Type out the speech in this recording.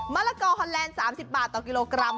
ละกอฮอนแลนด์๓๐บาทต่อกิโลกรัม